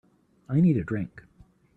I need a drink.